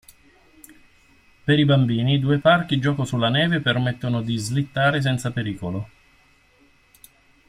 Per i bambini, due parchi gioco sulla neve permettono di slittare senza pericolo.